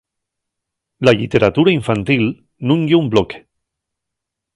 La lliteratura infantil nun ye un bloque.